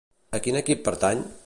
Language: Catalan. A quin equip pertany?